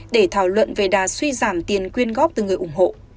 để thảo luận về đà suy giảm tiền quyên góp từ người ủng hộ